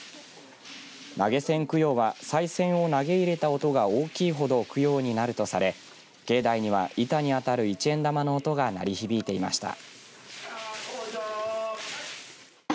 投げ銭供養はさい銭を投げ入れた音が大きいほど供養になるとされ境内には板に当たる一円玉の音が鳴り響いていました。